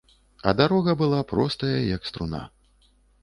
А дарога была простая, як струна.